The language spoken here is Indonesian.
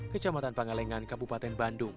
kecamatan pangalengan kabupaten bandung